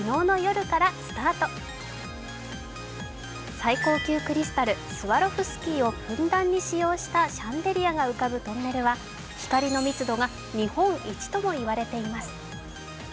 最高級クリスタル・スワロフスキーをふんだんに使用したシャンデリアが浮かぶトンネルは、光の密度が日本一とも言われています。